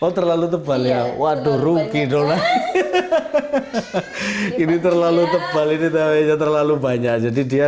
oh terlalu tebal ya waduh rugi doang ini terlalu tebal ini terlalu banyak jadi dia